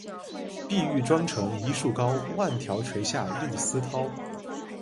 碧玉妆成一树高，万条垂下绿丝绦